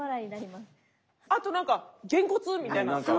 あと何かげんこつみたいな。